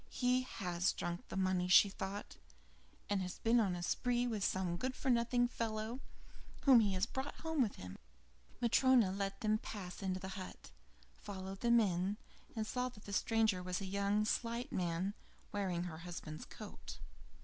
"He has drunk the money," thought she, "and has been on the spree with some good for nothing fellow whom he has brought home with him." Matryona let them pass into the hut, followed them in, and saw that the stranger was a young, slight man, wearing her husband's coat.